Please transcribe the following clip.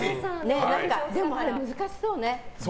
でもあれ難しそうね。